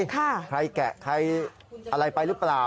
ใครแกะใครอะไรไปหรือเปล่า